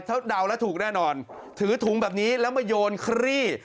ถ้าเดาแล้วถูกแน่นอนถือถุงแบบนี้แล้วมาโยนครี่